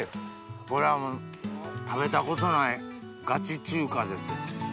これはもう食べたことないガチ中華です。